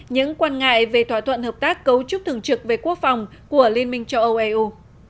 những quan ngại về thỏa thuận hợp tác cấu trúc thường trực về quốc phòng của liên minh châu âu eu